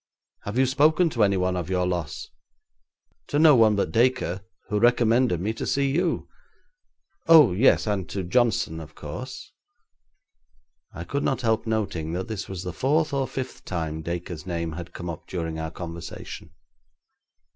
'Have you spoken to any one of your loss?'; 'To no one but Dacre, who recommended me to see you. Oh, yes, and to Johnson, of course.' I could not help noting that this was the fourth or fifth time Dacre's name had come up during our conversation.